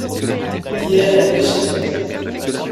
Hier elles pêchaient.